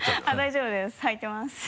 大丈夫ですはいてます。